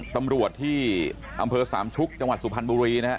ตำรวจที่อำเภอสามชุกจังหวัดสุพรรณบุรีนะฮะ